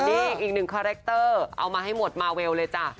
นี่อีกหนึ่งคาแรคเตอร์เอามาให้หมดมาเวลเลยจ้ะ